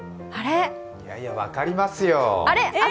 いやいや分かりますよ。